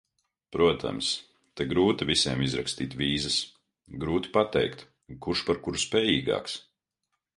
Protams, te grūti visiem izrakstīt vīzas, grūti pateikt, kurš par kuru spējīgāks.